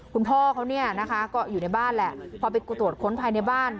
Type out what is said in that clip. คุณพ่อเขาเนี่ยนะคะก็อยู่ในบ้านแหละพอไปตรวจค้นภายในบ้าน